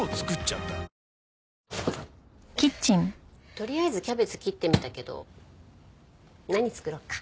とりあえずキャベツ切ってみたけど何作ろうか？